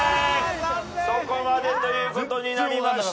そこまでということになりました。